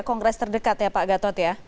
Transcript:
kongres terdekat ya pak gatot ya